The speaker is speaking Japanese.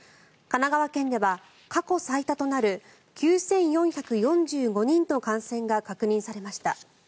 神奈川県では過去最多となる９４４５人の感染が確認されました。